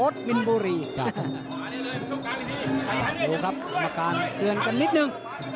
ดูครับกรรมการเตือนกันนิดนึง